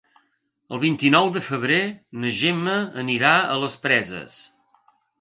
El vint-i-nou de febrer na Gemma anirà a les Preses.